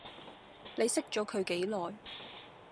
你識咗佢幾耐